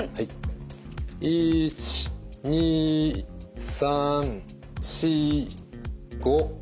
１２３４５。